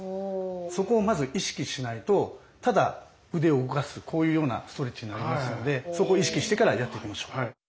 そこをまず意識しないとただ腕を動かすこういうようなストレッチになりますのでそこを意識してからやっていきましょう。